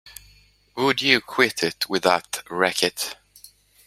Would you quit it with that racket!